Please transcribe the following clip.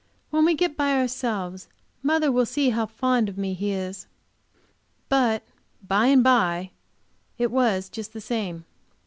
"When we get by ourselves mother will see how fond of me he is." But "by and by" it was just the same.